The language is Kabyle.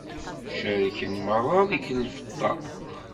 Cerken merra deg lfalṭa.